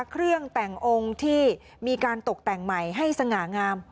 เครื่องแต่งองค์ที่มีการตกแต่งใหม่ให้สง่างาม